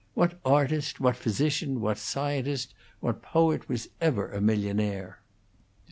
What artist, what physician, what scientist, what poet was ever a millionaire?"